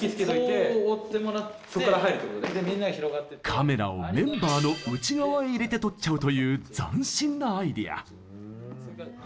カメラをメンバーの内側へ入れて撮っちゃうという斬新なアイデア。